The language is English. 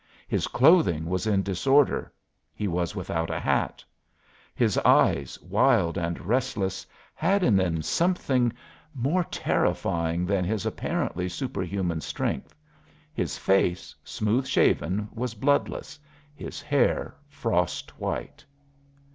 His clothing was in disorder, he was without a hat. His eyes, wild and restless, had in them something more terrifying than his apparently superhuman strength. His face, smooth shaven, was bloodless, his hair frost white.